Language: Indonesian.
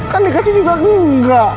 kan dikasih juga enggak